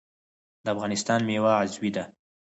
د افغانستان میوه عضوي ده